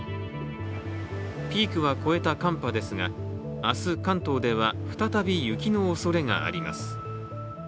ピークは越えた寒波ですが、明日関東では再び雪のおそれがあります。